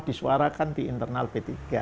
disuarakan di internal p tiga